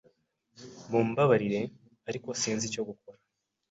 Mumbabarire, ariko sinzi icyo gukora.